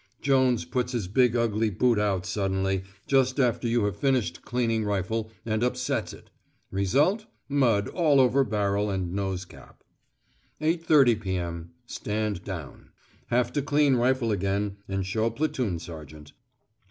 Jones puts his big ugly boot out suddenly, just after you have finished cleaning rifle, and upsets it. Result mud all over barrel and nose cap. 8.30 p.m. Stand down. Have to clean rifle again and show platoon sergeant.